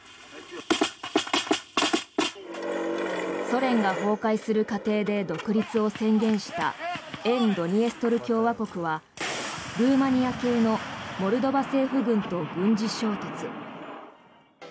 ソ連が崩壊する過程で独立を宣言した沿ドニエストル共和国はルーマニア系のモルドバ政府軍と軍事衝突。